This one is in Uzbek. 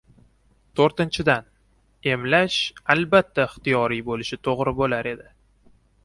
To‘rtinchidan, emlash albatta ixtiyoriy bo‘lishi to‘g‘ri bo‘lar edi.